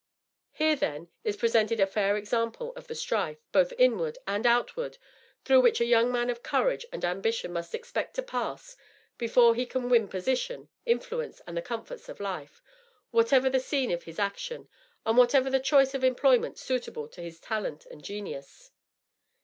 Here, then, is presented a fair example of the strife, both inward and outward, through which a young man of courage and ambition must expect to pass before he can win position, influence, and the comforts of life, whatever the scene of his action, or whatever the choice of employment suitable to his talent and genius.